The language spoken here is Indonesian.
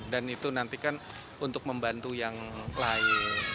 dan itu nantikan untuk membantu yang lain